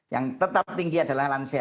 yang tetap tinggi adalah lansia